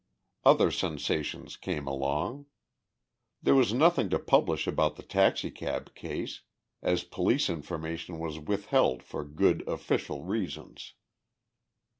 Other sensations came along. There was nothing to publish about the taxicab case, as police information was withheld for good official reasons.